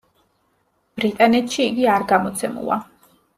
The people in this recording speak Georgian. ბრიტანეთში იგი არ გამოცემულა.